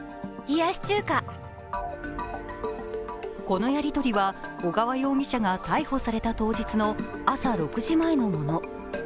このやりとりは、小川容疑者が逮捕された当日の朝６時前のもの。